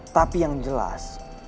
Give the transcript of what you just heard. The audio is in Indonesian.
tapi yang jelas